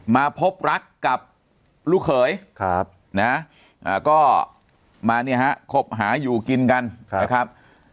มาพบรักกับลูกเขยนะก็มาเนี่ยฮะคบหาอยู่กินกันนะครับ